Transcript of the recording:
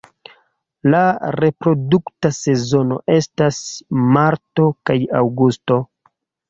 La reprodukta sezono estas marto kaj aŭgusto.